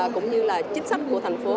cũng như là chính sách của thành phố